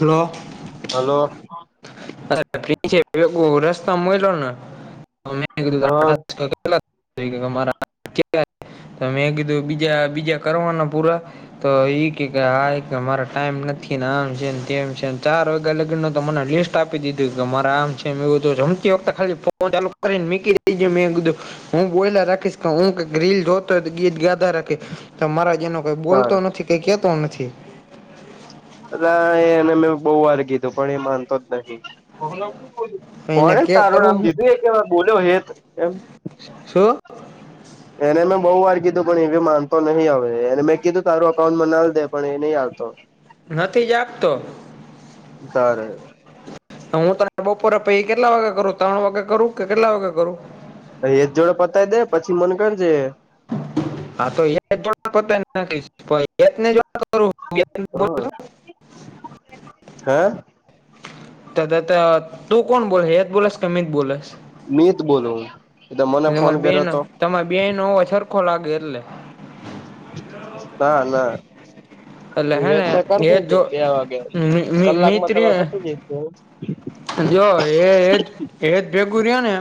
Hello. Hello. [inaudible] [inaudible] હા બીજા બીજા કરવાના પૂરા તો એઈ કે આ એક અમારા ટાઈમ નથી ને આમ છે તેમ છે ચાર વાગ્યા લગનને તો મને લીસ્ટ આપી દીધું કે મારે આમ છે મે કીધુ જઉ. તે વખતે ખાલી ફોન ચાલુ કરીને મીકી મેં બીધું હું બોઇલાર રાખીશ હું રીલ જોતો ગીત ગાધા રાખી મારા જે એનો કઈ બોલતો સર નથી કઈ કહેતો નથી. રા એ એને મેં બહુ વાર કીધું પણ એ માનતો જ નહીં. તો એને કોણે કે તારું કરું નામ હું દીધું એ કે બોલ્યો હેત એમ શું? એને મેં બહુ વાર કીધું પણ એવી માનતો નહીિ હવે એને મેં કીધું તારું અકાઉન્ટમાં ના દે પણ એ નહી આવતો. નથી જ આપતો. તારે. હું તને બપોરે પછ કેટલા વાગે કરું ત્રણ વાગે કરું કે કેટલા વાગે કરું. એ જોડે પતાય દે પછી મને કરજે. હા તો જોતાને જો હ [unintelligible] હે. ત તું કોણ બોલ એત બોલસ કે મીત બોલસ. મિત બોલુ. તમારી બેનો તમારી બેનો હોવા સરખો લાગે એટલે ના ના એટલે હે એજ ને કરતોજ હેત બે જો વાગે મિ- મિ- કલાકમાં તમે મિત્રી પતું જઈશો. જો એજ એજ ભેગું રહ્યો ને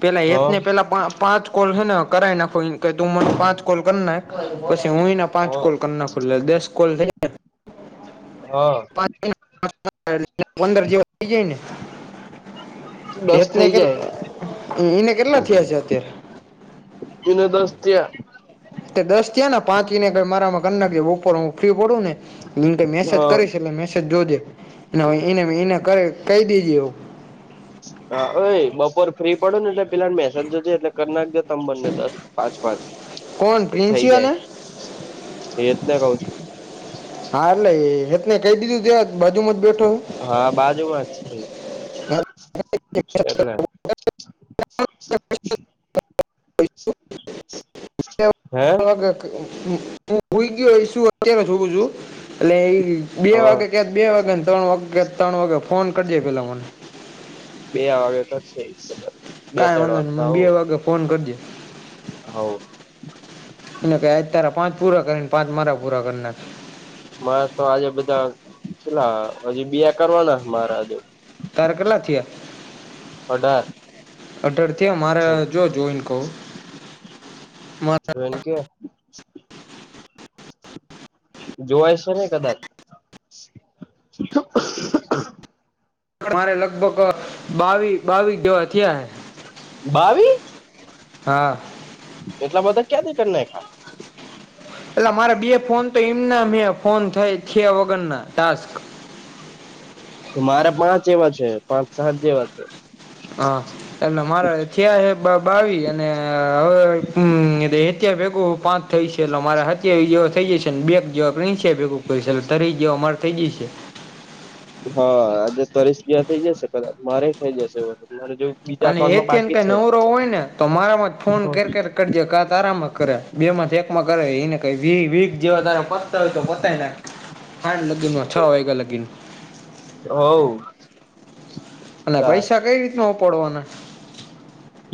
પેલા હ એજ ને પેલા પાંચ કોલ છે ને કરી નાખો તું મને પાંચ કોલ કરી નાખ પછી હું એના હ પાંચ કોલ કરનાખુ દસ કોલ થયા. હા. [unintelligible] પંદર જેવા થઈ જાયને દસ થઇ એતને કે જાય એને કેટલા થયા છે અત્યારે તને દસ્ થયા દસ થયા ને પાંચ ને કઈ મારામાં કના બપોર હું ફ્રી પડું ને એ કઈ મેસેજ હા કરીશ એટલે મેસેજ જોજે એને એનેે કહી દીજે એવું હા, બપોર ફ્રી પડો ને એટલે પેલા મેહેસેજ જજ એટલે કર નાખ જે સમબરને દસ પાંચ પાંચ કોણ થઈ પ્રિન્સી ને જાય એ રતના કવ છું. હા એટલે હતને કહી દીધું ત બધું હા બાજુમાં જ છે એટલે હે ઈ ગયો શું અત્યારે જોું એટ એ બે વાગે હ કયા બે વાગેને ત્રણ વાગે ક ત્રણ વાગે ફોન કરજે પેલાં મને બે વાગે કરશે બે કાંઈ વાંધો નને મને બે વાગે ફોન કરી જે. હ એને ક અતારા પાંચ પૂરા કરીને પાંચ મારા પૂરા કરનાર મારે તો આજે બધા પેલા હજી બીયા કરવાના મારે હજુ તાર કેટલા થયા? અઢાર અઢાર થયા મારે જો જોઈને કહું મારે જોઈને કે, જોવાય છે, ને કદાચ. મારે લગભગ બાવીસ બાવીસ જેવા થયા હે. બાવી. હા એટલા બધા ક્યાંથી નાખ્યા. એટલે મારા બે ફોન તો એમ ના મે ફોન થાય છે વગરના ટાસ્ક. તો મારા પાંચ એવા છે પાંચ, સાત જેવા છે. હા એલે મારા થયા છે બાવીસ અને હવે અત ભેગું પાંચ થઈ છે એટલે મારે સત્યાવીસ જેવો થઈ જાયશે ને બેગ જેવા ચ ભેગું છે એટલે તરી જે મારે થઈ જશે. હા આજે તરસપ્યા થઈ જશે કદાચ મારે થઈ જશે એરે જોવું. અને એ ત કઈ નવરો હોય ને તો મારા માં જ ફોન કે કાત આરામ કર્યા બે માંથી એકમાં કરે એને ક વી જેવા ત ય તો પતાય ના ખંડ લગીનમાં છ વાગ્યા લગીન હવ અને પૈસા કઈ રીતના ઉપાડવાના?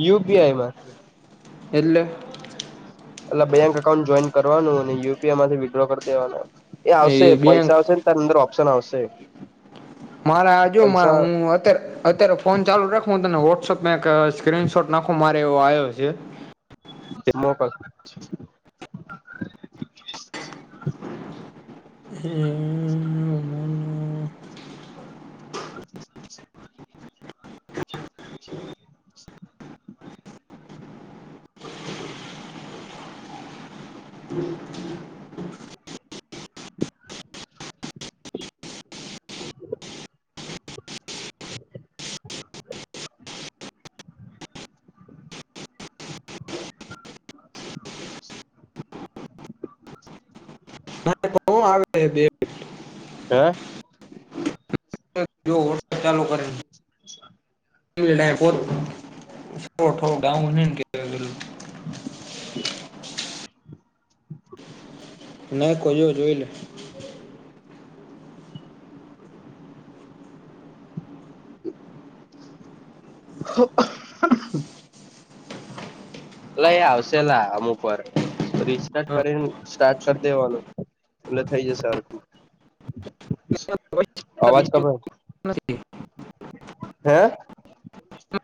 યુ પી આઈમાં. એટલે. એટલે બેંક અકાઉન્ટ જોઈન કરવાનું અને યુ પી આઈ માંથી વિડ્રો કરી દેવાનું એ આવશે પૈસા આવશે. અંદર ઓપ્શન આવશે. મારે આજુ હું પૈસા અત્યારે, અત્યારે ફોન ચાલુ રાખ વોટ્સએપમાં એક સ્ક્રીન શોટ નાખો મારે એવો આવ્યો છે. મો પાસે. હમ, હું. અચ [inaudible] છે, [unintelligible] [inaudible] હક આવે. હા, જો હોટલ ચાલુ કરે છે. અ [inaudible] ગાવુંન કે, [inaudible] હ [inaudible] [unintelligible] [inaudible] નાખો જો જોઈલે. [unintelligible] [inaudible] હ [inaudible] એલા એ આવશેલા અમુકવાર. રિસ્ટાર્ટ કરી સ્ટાર્ટ કરી દેવાનું એટલે થઈ જશે સરખું. [unintelligible] [inaudible] અવાજ બીજું કપાય છે, નથી હે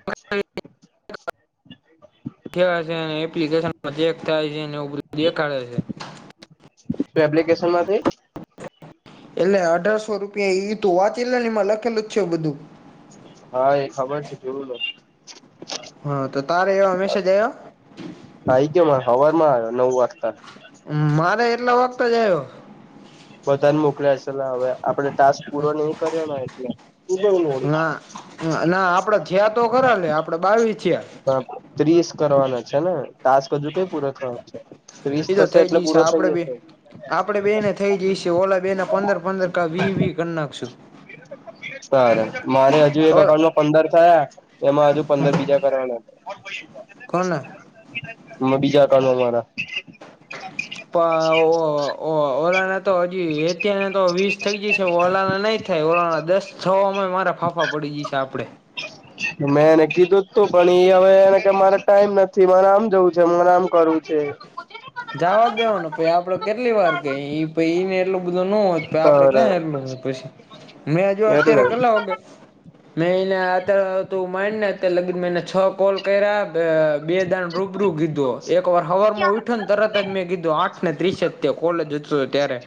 [unintelligible] [inaudible] કેળા છે, અને એપ્લિકેશનમાં ચેક થાય છે, અને ઉપર દેખાડે છે. તે એપ્લિકેશન માંથી, એટલે અઢારસો રૂપિયા એતું વાંચેલ ને એમાં લખેલું જ છે, બધું હા એ ખબર છે, જોયું તો હાતો તારે એવા મેસેજ આવ્યા. હઈ કે હવામાં આવ્યો નવ વાગતા, મારે એટલા વખતે જ આવ્યો- બધાને મોકલ્યા છેલે હવે આપડણે ટાસ્ક પૂરો નઈ કર્યો એટલે- ના ના આપડે છયા તો ખરા લે આપડે બાવીસ છેયા- હ ત્રીસ કરવાનો છે ને તાસ બધું ક પૂરો થવા છે. ત્રીસ એતો થશે થઈ એટલે જઈ છે, પૂરો આપડે થઈ બે જશે આપડે બેને જ. થઈ જઈ છે, ઓલા બે ના પંદર પંદર કાવી વીવી કર નાખશું. સર મારે હજુ એક ઓલા અકાઉન્ટમાં પંદર થયા એમાં હજુ પંદર બીજા, પરાણે. કોણ. બીજા કાનુંન અમારા, પઓ ઓરાના. તો હજી અત્યારેને તો વીસ થઈ જઈ છે, ઓલાણા નહીં થાય ઓલા દસ થવામાં મારા ફાફા. આ પડી જઈશે આપડે, મેં એને કીધું જતું પણ એ હવેને કે મારે ટાઈમ નથી, મને આમ જવું છે, મને આમ કરવું છે. જવા દેવાનો આપડે કેટલી વાર કેઈને એટલું. બધા ન હોત આપડે તારે ક્યાં એટલું પછી મેંજો એટલે અત્યારે કેટલા વાગે. મેં એને આત તું માયને લાગી મેને છ કોલ કર્યા. બે દાણ રૂબરૂું કીધું એક વાર હવર માં ઉઠો ને તરત જ મેં કીધું આઠ ને ત્રીસ- કોલ જ ત્યારે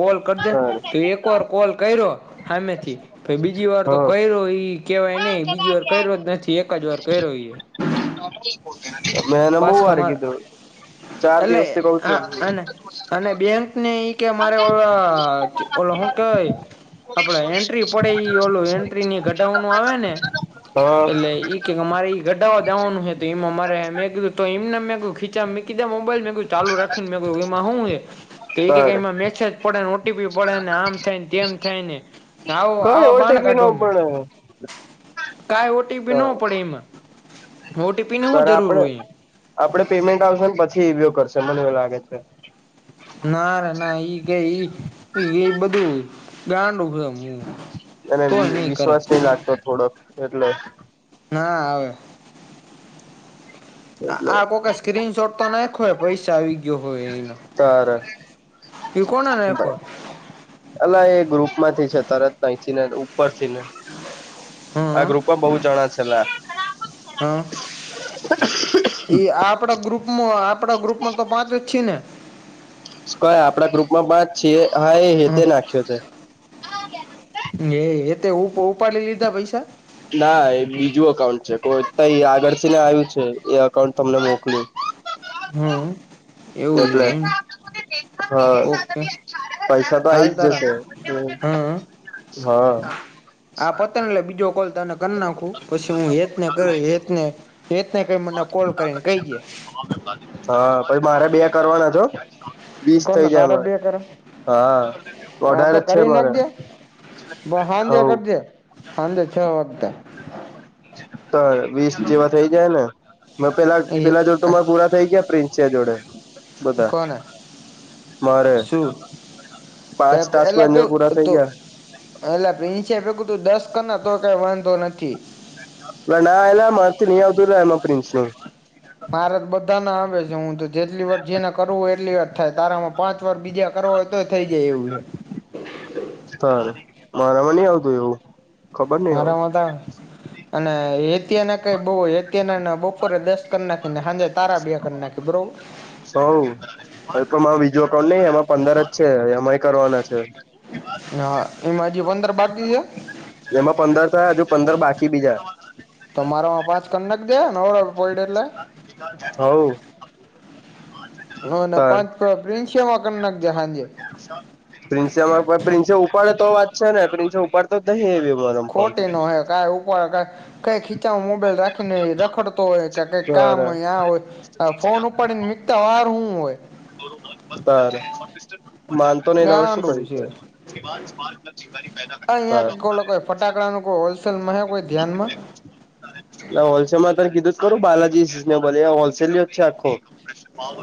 કોલ કરજે- તો સારું એક વાર કોલ કર્યો સામેથી પ બીજી વાર તો હા કર્યો- કેવાય નહી બીજી વાર કર્યો જ નથી એક જ વાર કર્યો એ- મેન બો વારે કીધું ચાર એટલે દિવસથી કઉ આ છું અને અને બે ને કે ઓ ઓલો હું કેવાય આપડે એન્ટ્રી પડે ઈ ઓલું એન્ટ્રીની ઘટાનું આવે ને હા એટલે કે મારે એ ઘટવા દાવાનું હ તો એમ અમારે મેં કીધું તો એમને મેં ખીચા કીધા મોબાઈલ મેં ચાલુ રાખીને મે એમાં હું તો ક તારે મેસે- પડેને ઓટીપી પડેને આમ થાયને તેમ થાય ને આવું કઈ આ બાણ ઓટીપી નો કાઢવા- પણ કઈ ઓટીપી ન પડે એમાં ઓટીપી- ની હું સર જરૂર આપડે હોય આપડે પેમેન્ટ આવશે ને પછી ઈવીઓ કરશે મને એવ લાગે છે. નાર ના ઈ કે બધું ગાંડ- અને વિશ્વાસ નહ લાગતો થોડોક એટલે- ના આવે- એટલે આ કોક સ્ક્રીન શોટ તો નાખો પૈસા આવી ગયો હોય એનો તાર કોણે નાખ્યો અલા એ ગ્રુપ માંથી છે તરત નાચથી ને ઉપર થી ને હમ આ ગ્રુપ બહુ જણા છેલા હમ આપણા ગ્રુપ આપડા ગ્રુપમાં તો પાંચ જ છી ને ક આપડા ગ્રુપમાં પાંચ છીએ હા એ હે તે હમ નાખ્યો છે. એ એ હેતે ઉપાડી લીધા પૈસા ના એ બીજું અકાઉન્ટ છે કોઈ આગળથીને આવ્યું છે એ અકાઉન્ટ તમને મોકલ્યું હમ એવું છે એટલે એમ હા ઓકે પૈસા તો આઈ હાલ જ તારા જશે હમ હા આ પતન બીજો કોલ તને કરી નાખું પછી હેત હેત ને હેત નહી કઈ મને કોલ કરીને કહી ગઈ હા પછી મારે બે કરવાના છે. હો વીસ થઇ કોને તારે જાયમારે બે કરે હા અઢારે જ છે મારે બ હાજે હવ કરજે હાજે છ વાગતા તો વીસ જેવા થઇ જાય ને પેલા એ પેલા જોડે તો મારા પૂરા થઈ ગયા પ્રિન્સ જોડે. બધા કોણ મારે શું પાંચ ટાસ્ક પેલા એની તો જોડે પૂરા થઈ તો ગયા એટલે પ્રિન્સે ભેગું તું દસ કર ના તો કઈ વાંધો નથી એ ના એલા મા ન આવર એમાં પ્રિન્સ ન મારે તો બધા ના આવે છે હું તો જેટલી વાર જેને કરવું હોય એટલી વાર થાય તારામાં પાંચ ર બીજા કરો હોય તો થઈ જાય એવું તાર મારામાં નઈ આવતું એવું ખબર નહ હવે મારામાંતા અને હેતીયા ના કઈ બહત ના બપોરે દસ ક નાખીનેજ તારા બે કરી નાખી એ બરોબર સૌ હ તોરો વિજો અકાઉન્ટ નહ એમાં પંદર જ છે એમાં ઈ કરવાના છે. હા એમાંજી પંદર બાકી છે એમાં પંદર થાય હજુ પંદર બાકી બીજા તો મારોમાં પાંચ કર નાખજે નવરો પડ એટલે હવ હ ના પાંચ પ્રિન્સે યો પ્રિન્સેમાં પ્રિન્સે ઉપાડે તો વાત છે ને પ્રિન્સે ઉપાડ તો હેવી મરમ ફોન હા કા એવુ કઈ ખીચા મોબાઈલ રાખીને રખડતો હોય કે કઈ કામ હોય આ હોય. હ ફોન ઉપર ને મીકતા વાર શું હોય. સ માનતો નહીર શું ગાંડું કર્યું છે છે. પછીમારી પેદા [inaudible] આ અહીયા કે કોલો ફટાકડા ન કોઈ હોલસેલમાં હ કોઈ ધ્યાનમાં ના હોલસેલ માં ત કીધું જ કરું બાલાજી સિઝનેબલ એ હોલસેલ જ છે આખો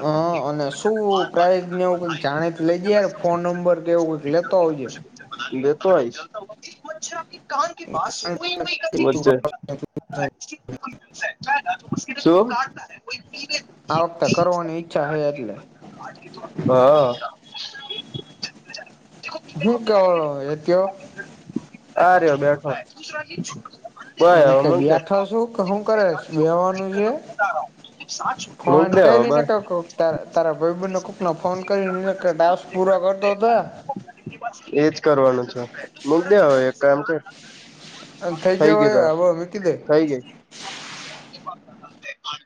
હ અને શું પ્રાયને એવું કઈક જાણી લઈ જેાર ફોન નંબર કે એવું કઈક લેતો આવજે લેતો આઈશ આ વખતે કરવાની ઈચ્છા હ એટલે હા હું કેવાય તયો આ રિયો બેઠો બસ હ હવે કે મૂક દે બે્યાઠ શું કે શું કરે બેવાનું છે. મૂક ફોન દે હવે કરીને તારા ભાઈબન્ધ કોકનો ફોન કરીને ટાસ્ક પૂરા કરતો થા એજ કરવાનું છે મક દે હવે એક કામ છે. અને થઈ જવા આવો હવે મૂકી દે થઈ ગઈ.